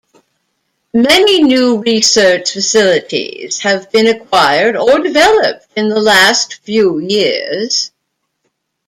Many new research facilities have been acquired or developed in the last few years.